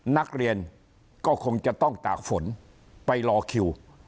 นักเรียนก็คงจะต้องตากฝนไปรอคิว